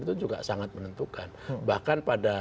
itu juga sangat menentukan bahkan pada